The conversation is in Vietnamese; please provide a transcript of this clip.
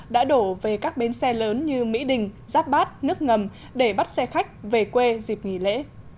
đã đổ về các bến xe lớn như mỹ đình giáp bát nước ngầm để bắt xe khách về quê dịp nghỉ lễ